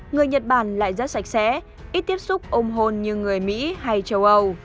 người nhật bản lại rất sạch sẽ ít tiếp xúc ông hôn như người mỹ hay châu âu